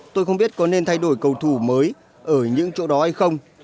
tôi không biết có nên thay đổi cầu thủ mới ở những chỗ đó hay không